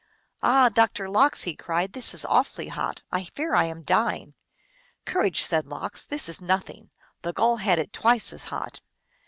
/" Ah, Doctor Lox," he cried, " this is awfully hot ! I fear I am dying !"" Courage," said Lox ;" this is nothing. The Gull had it twice as hot."